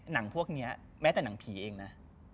หนังพวกนี้แม้แต่หนังผีเองนะ